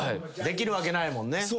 できるわけないもんね。